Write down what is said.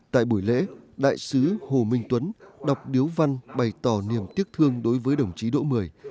tại buổi lễ đại sứ hồ minh tuấn đọc điếu văn bày tỏ niềm tiếc thương đối với đồng chí độ một mươi